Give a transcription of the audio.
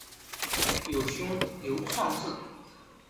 有兄刘尚质。